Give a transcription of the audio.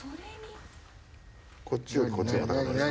こっちよりこっちの方が高くないですか？